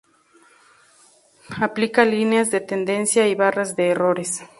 Aplica líneas de tendencia y barras de errores.